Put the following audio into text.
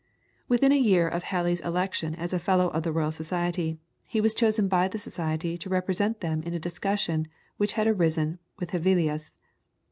Within a year of Halley's election as a Fellow of the Royal Society, he was chosen by the Society to represent them in a discussion which had arisen with Hevelius.